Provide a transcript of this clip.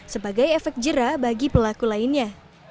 sebagai efek jerah bagi pelaku lainnya